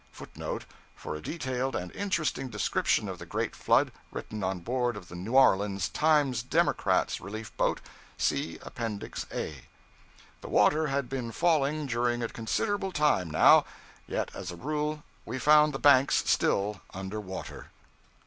{footnote [For a detailed and interesting description of the great flood, written on board of the New Orleans Times Democrat's relief boat, see Appendix A]} The water had been falling during a considerable time now, yet as a rule we found the banks still under water.